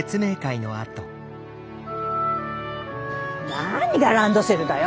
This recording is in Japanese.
何がランドセルだよ！